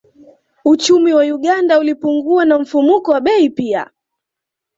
Uchumi wa Uganda ulipungua na mfumuko wa bei pia